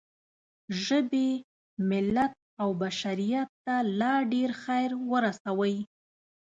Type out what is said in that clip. ژبې، ملت او بشریت ته لا ډېر خیر ورسوئ.